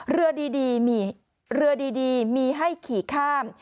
เรือดีมีให้ขี่ข้าม